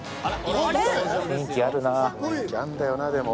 雰囲気あるんだよなでも。